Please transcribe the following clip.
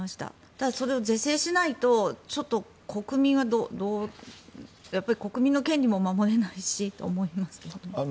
ただ、それを是正しないと国民の権利も守れないしと思いますけどね。